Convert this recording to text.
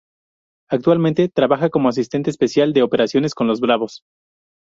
Actualmente trabaja como asistente especial de operaciones con los Bravos.